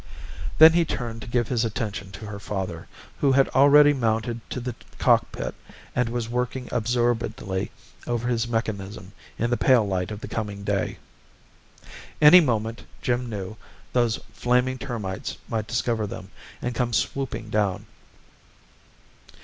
Then he turned to give his attention to her father, who had already mounted to the cockpit and was working absorbedly over his mechanism in the pale light of the coming day. Any moment, Jim knew, those flaming termites might discover them, and come swooping down.